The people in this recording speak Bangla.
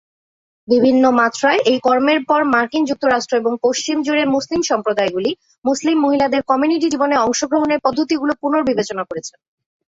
বিভিন্ন মাত্রায়, এই কর্মের পর মার্কিন যুক্তরাষ্ট্র এবং পশ্চিম জুড়ে মুসলিম সম্প্রদায়গুলি মুসলিম মহিলাদের কমিউনিটি জীবনে অংশগ্রহণের পদ্ধতিগুলি পুনর্বিবেচনা করেছে।